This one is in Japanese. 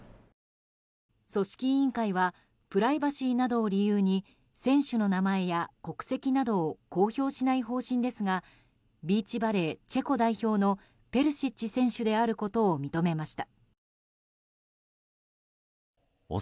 組織委員会はプライバシーなどを理由に選手の名前や国籍などを公表しない方針ですがビーチバレー、チェコ代表のペルシッチ選手であることを認めました。